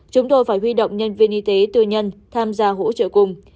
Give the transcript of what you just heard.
chúng tôi phải huy động nhân viên y tế tư nhân tham gia hỗ trợ cùng